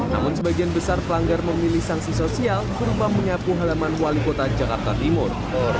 namun sebagian besar pelanggar memilih sanksi sosial berupa menyapu halaman wali kota jakarta timur